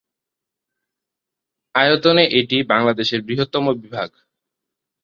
আয়তনে এটি বাংলাদেশের বৃহত্তম বিভাগ।